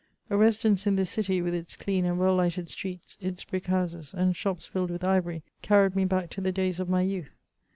A residence in this dty, with its clean and well lighted streets, its brick houses, and shops filled with ivory, carried me back to the days of my youth.